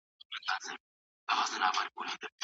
دې مجلس به د واورو ښويېدو د مخنيوي پروژې منظورې کړي وي.